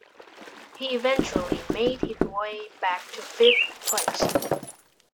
He eventually made his way back to fifth place.